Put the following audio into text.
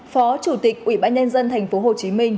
phó chủ tịch ubnd tp hcm